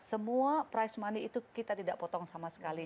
semua price money itu kita tidak potong sama sekali